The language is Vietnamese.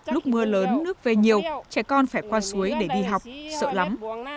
lúc mưa lớn nước về nhiều trẻ con phải qua suối để đi học sợ lắm